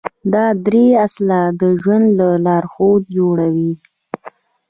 دا درې اصله د ژوند لارښود جوړوي.